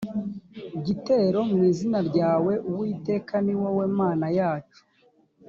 gitero mu izina ryawe uwiteka ni wowe mana yacu